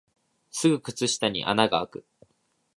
すぐ靴下に穴があく